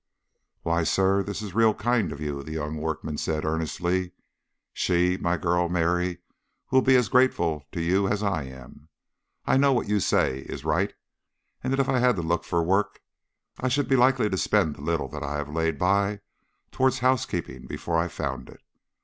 "Why, sir, this is real kind of you," the young workman said earnestly. "She my girl Mary, will be as grateful to you as I am. I know what you say is right, and that if I had to look for work I should be likely to spend the little that I have laid by towards housekeeping before I found it.